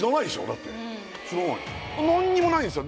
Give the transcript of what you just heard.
だって知らないの何もないんですよ